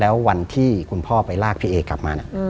แล้ววันที่คุณพ่อไปลากพี่เอกลับมา